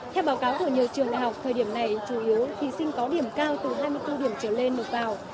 theo báo cáo của nhiều trường đại học thời điểm này chủ yếu thí sinh có điểm cao từ hai mươi bốn điểm trở lên một vào